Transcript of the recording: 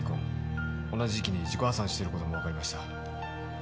同じ時期に自己破産してることもわかりました。